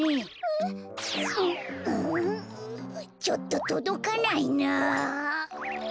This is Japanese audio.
ちょっととどかないな。